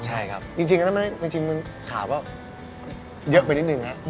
ใช่ครับจริงมันข่าวว่าเยอะไปนิดนึงนะ